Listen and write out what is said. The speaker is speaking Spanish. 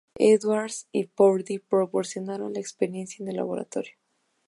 Edwards y Purdy proporcionaron la experiencia en el laboratorio.